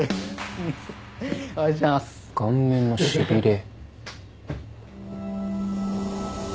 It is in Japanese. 顔面のしびれ。